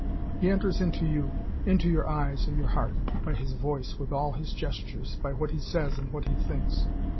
He enters into you, into your eyes and your heart, by his voice, by all his gestures, by what he says and by what he thinks.